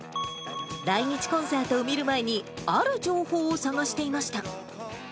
来日コンサートを見る前に、ある情報を探していました。